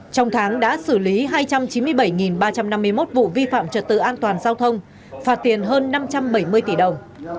trong tháng đã xử lý hai trăm chín mươi bảy ba trăm năm mươi một vụ vi phạm trật tự an toàn giao thông phạt tiền hơn năm trăm bảy mươi tỷ đồng